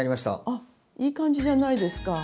あっいい感じじゃないですか。